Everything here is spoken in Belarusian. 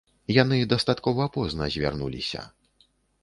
Яны дастаткова позна звярнуліся.